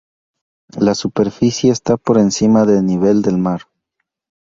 La superficie está por encima de nivel del mar.